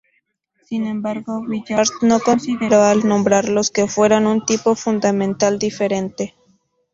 Sin embargo, Villard no consideró al nombrarlos que fueran un tipo fundamental diferente.